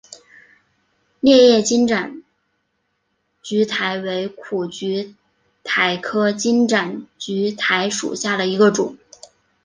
裂叶金盏苣苔为苦苣苔科金盏苣苔属下的一个种。